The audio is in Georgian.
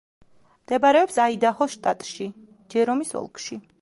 მდებარეობს აიდაჰოს შტატში, ჯერომის ოლქში.